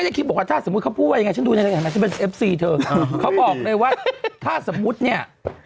อยากจะเป็นเอฟซีเถอะเขาบอกเลยว่าถ้าสมมติเนี่ย